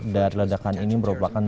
dan ledakan ini merupakan